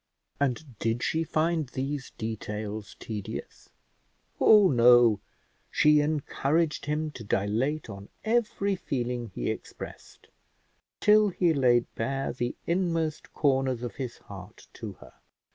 And did she find these details tedious? Oh, no; she encouraged him to dilate on every feeling he expressed, till he laid bare the inmost corners of his heart to her.